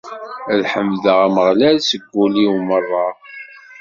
Ad ḥemdeɣ Ameɣlal seg wul-iw merra.